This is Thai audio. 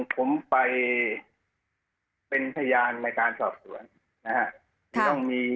ผมไปเป็นพยานในการสอบสวนนะครับ